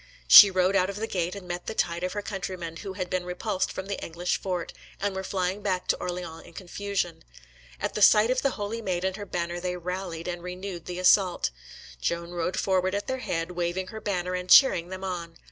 She rode out of the gate, and met the tide of her countrymen, who had been repulsed from the English fort, and were flying back to Orleans in confusion. At the sight of the Holy Maid and her banner they rallied and renewed the assault. Joan rode forward at their head, waving her banner and cheering them on.